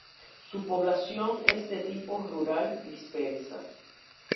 Su población es de tipo rural dispersa.